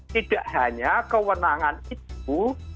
tidak hanya kewenangan itu